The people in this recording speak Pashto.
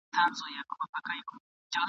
ده پر خلکو باندي ږغ کړل چي ملګرو ..